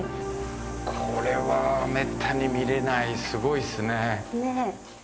これはめったに見られないすごいっすね。